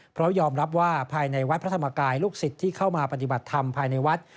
เพราะยอมรับว่าภายในวัดพระธรรมกายลูกศิษย์ที่เข้ามาปฏิบัติธรรมภายในวัด